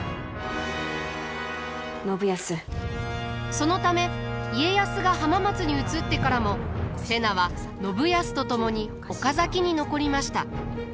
そのため家康が浜松に移ってからも瀬名は信康と共に岡崎に残りました。